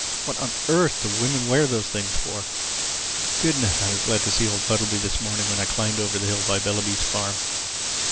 What on earth do women wear those things for? Goodness, I was glad to see old Puddleby this morning when I climbed over the hill by Bellaby's farm!"